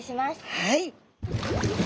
はい。